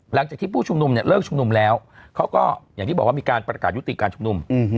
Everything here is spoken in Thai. ผู้ชุมนุมเนี่ยเลิกชุมนุมแล้วเขาก็อย่างที่บอกว่ามีการประกาศยุติการชุมนุม